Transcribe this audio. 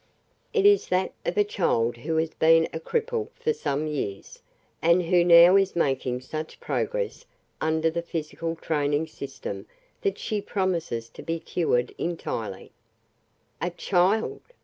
"It is that of a child who has been a cripple for some years, and who now is making such progress under the physical training system that she promises to be cured entirely. "A child?"